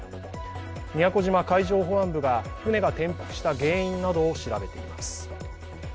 宮古島海上保安部が船が転覆した原因などを調べています。